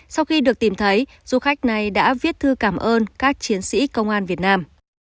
sau khi được tìm thấy du khách này đã viết thư cảm ơn các chiến sĩ công an việt nam